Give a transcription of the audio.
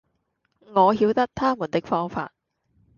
我曉得他們的方法，